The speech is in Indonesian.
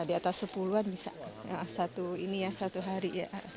di atas sepuluh an bisa satu hari